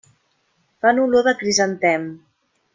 Fan olor de crisantem.